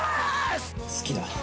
好きだ。